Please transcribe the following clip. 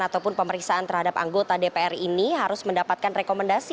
ataupun pemeriksaan terhadap anggota dpr ini harus mendapatkan rekomendasi